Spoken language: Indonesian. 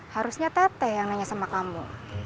harusnya teteh yang nanya sama kamu